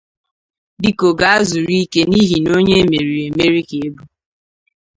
biko gaazuru ike n’ihi na onye emeriri emeri ka ị bụ!